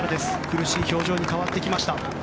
苦しい表情に変わってきました。